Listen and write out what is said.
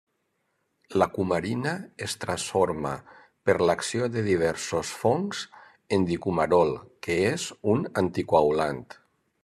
La cumarina es transforma, per l'acció de diversos fongs, en dicumarol que és un anticoagulant.